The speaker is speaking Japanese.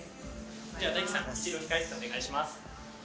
じゃあダイキさん一度控室お願いします。